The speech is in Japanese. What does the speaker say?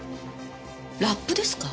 ラップですか？